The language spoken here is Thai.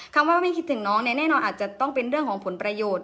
คำว่าไม่คิดถึงน้องเนี่ยแน่นอนอาจจะต้องเป็นเรื่องของผลประโยชน์